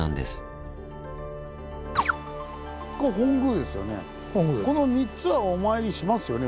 これ本宮ですよね。